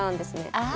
ああ。